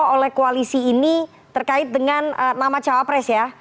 oleh koalisi ini terkait dengan nama cawapres ya